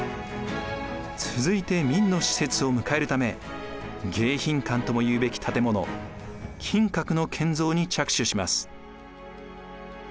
続いて明の使節を迎えるため迎賓館ともいうべき建物金閣の建造に着手します。